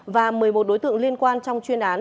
và một mươi một đối tượng liên quan trong chuyên án